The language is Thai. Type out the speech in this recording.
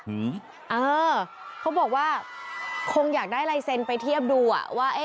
อื้อเขาบอกว่าคงอยากได้ไลเซ็นไปเทียบดูว่า